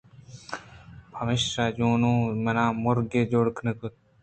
پمیشا جونو ءَمنا مُرگے جوڑ کُت